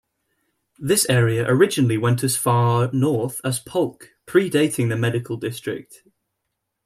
This area originally went as far north as Polk, pre-dating the Medical district.